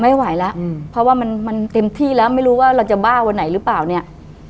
ไม่ไหวแล้วเพราะว่ามันมันเต็มที่แล้วไม่รู้ว่าเราจะบ้าวันไหนหรือเปล่าเนี่ย